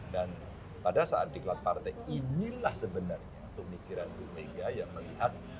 dan pada saat diklat partai inilah sebenarnya pemikiran bumega yang melihat